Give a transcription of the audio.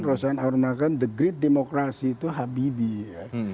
rosan arumakan the great demokrasi itu habibie ya